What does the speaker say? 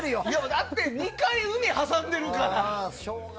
だって、２回海を挟んでるから。